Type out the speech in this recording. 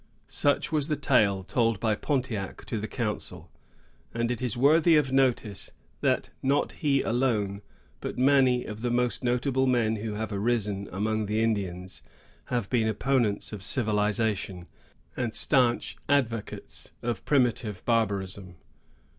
Such was the tale told by Pontiac to the council; and it is worthy of notice, that not he alone, but many of the most notable men who have arisen among the Indians, have been opponents of civilization, and stanch advocates of primitive barbarism.